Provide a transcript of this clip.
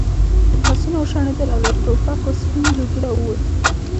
آسونه وشڼېدل او له ټوپکو سپین لوګی راووت.